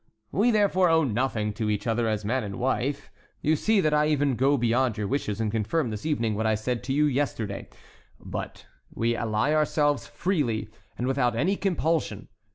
We therefore owe nothing to each other as man and wife; you see that I even go beyond your wishes and confirm this evening what I said to you yesterday; but we ally ourselves freely and without any compulsion.